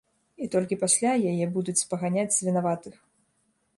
І толькі пасля яе будуць спаганяць з вінаватых.